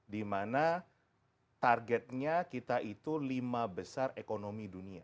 dimana targetnya kita itu lima besar ekonomi dunia